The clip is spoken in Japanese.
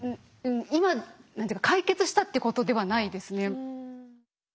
今解決したってことではないですね。